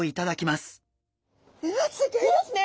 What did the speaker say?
うわすギョいですね！